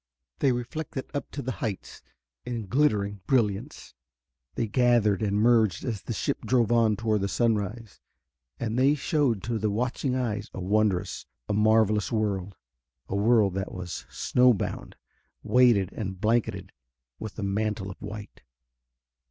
They reflected up to the heights in glittering brilliance. They gathered and merged as the ship drove on toward the sunrise, and they showed to the watching eyes a wondrous, a marvelous world. A world that was snowbound, weighted and blanketed with a mantle of white.